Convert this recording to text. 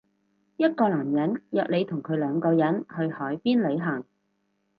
一個男人約你同佢兩個人去海邊旅行